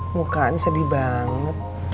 mukanya sedih banget